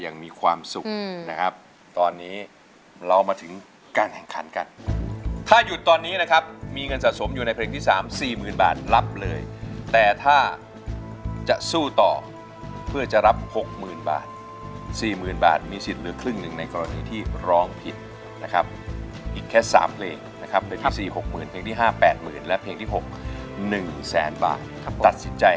ยังมีความสุขนะครับตอนนี้เรามาถึงการแข่งขันกันถ้าหยุดตอนนี้นะครับมีเงินสะสมอยู่ในเพลงที่สามสี่หมื่นบาทรับเลยแต่ถ้าจะสู้ต่อเพื่อจะรับ๖๐๐๐บาท๔๐๐๐บาทมีสิทธิ์เหลือครึ่งหนึ่งในกรณีที่ร้องผิดนะครับอีกแค่๓เพลงนะครับเพลงที่สี่หกหมื่นเพลงที่ห้าแปดหมื่นและเพลงที่๖๑แสนบาทตัดสินใจ